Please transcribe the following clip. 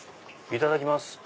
いただきます。